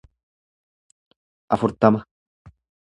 afurtama